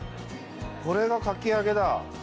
これがかき揚げだ。